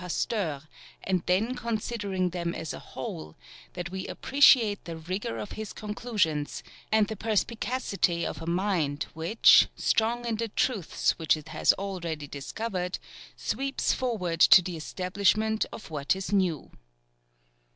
Pasteur, and then considering them as a whole, that we appreciate the rigor of his conclusions, and the perspicacity of a mind which, strong in the truths which it has already discovered, sweeps forward to the establishment of what is new."